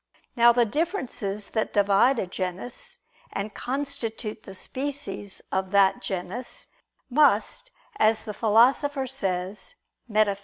Now the differences that divide a genus, and constitute the species of that genus, must, as the Philosopher says (Metaph.